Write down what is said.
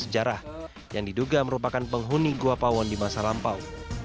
sejarah sejarah yang diduga merupakan penghuni guapawon di masa lampau